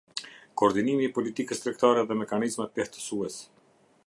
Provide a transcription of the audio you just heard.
Koordinimi i politikës tregtare dhe mekanizmat lehtësues.